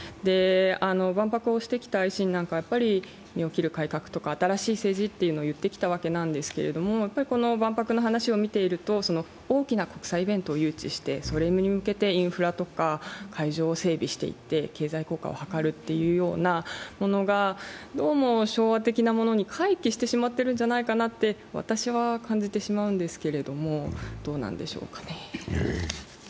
万博をしてきた維新なんか身を切る改革とか新しい政治というのを言ってきたわけなんですけれども、万博の話を見ていると大きな国際イベントを誘致して、それに向けてインフラとか会場を整備していって経済効果を計るっていうようなものがどうも昭和的なものに回帰してしまってるんじゃないかなと私は感じてしまうんですけれども、どうなんでしょうかね。